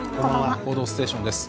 「報道ステーション」です。